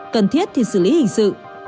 cần thiết thì xử lý hình sự